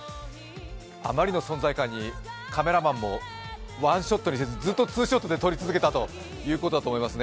あまりの存在感にカメラマンもワンショットにせず、ずっとツーショットで撮り続けたということだと思いますね。